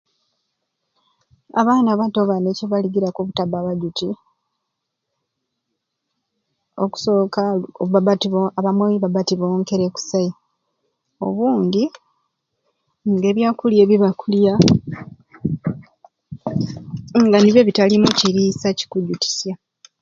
Abaana abato bani ekibalugiraku obutaba bajuti okusoka baba abamwei baba tibonkere kusai obundi nga ebyakulya byebakulya nga nibyo bitalumu kiriisa kikujutisya.